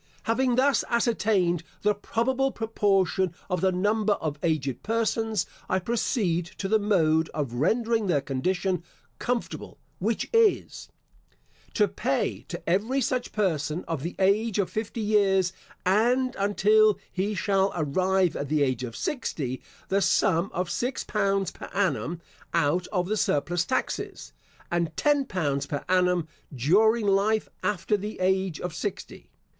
Having thus ascertained the probable proportion of the number of aged persons, I proceed to the mode of rendering their condition comfortable, which is: To pay to every such person of the age of fifty years, and until he shall arrive at the age of sixty, the sum of six pounds per annum out of the surplus taxes, and ten pounds per annum during life after the age of sixty.